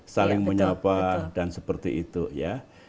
saling menyapa dan seperti itu ya